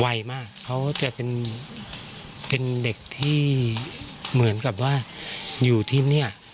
ไวมากเขาจะเป็นเด็กที่เหมือนกับว่าอยู่ที่นี่